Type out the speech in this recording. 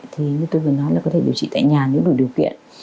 thì như tôi vừa nói là có thể điều trị tại nhà nếu đủ điều kiện